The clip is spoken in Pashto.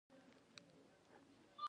د کندهار په دامان کې څه شی شته؟